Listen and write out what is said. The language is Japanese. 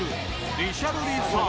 リシャルリソン！